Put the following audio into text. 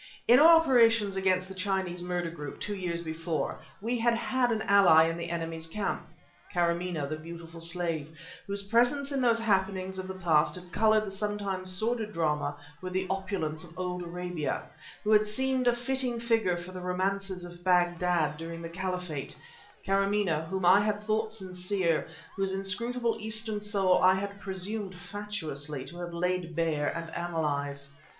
In our operations against the Chinese murder group two years before, we had had an ally in the enemy's camp Karamaneh the beautiful slave, whose presence in those happenings of the past had colored the sometimes sordid drama with the opulence of old Arabia; who had seemed a fitting figure for the romances of Bagdad during the Caliphate Karamaneh, whom I had thought sincere, whose inscrutable Eastern soul I had presumed, fatuously, to have laid bare and analyzed.